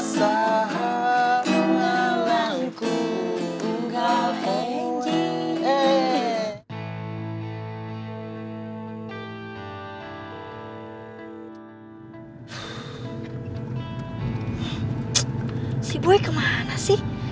si buye kemana sih